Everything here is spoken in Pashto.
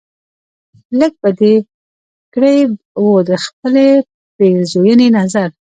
لږ به دې کړی و دخپلې پیرزوینې نظر